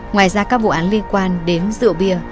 ngoài ra các vụ án liên quan đến rượu bia